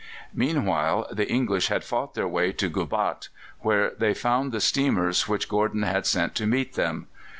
Meanwhile, the English had fought their way to Gubat, where they found the steamers which Gordon had sent to meet them.